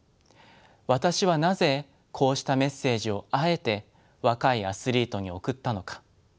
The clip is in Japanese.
私はなぜこうしたメッセージをあえて若いアスリートに送ったのか。